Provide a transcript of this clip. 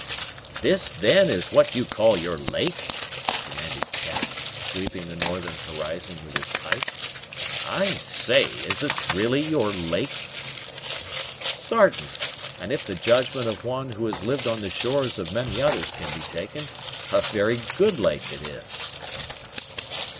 "This, then, is what you call your lake?" demanded Cap, sweeping the northern horizon with his pipe. "I say, is this really your lake?" "Sartain; and, if the judgment of one who has lived on the shores of many others can be taken, a very good lake it is."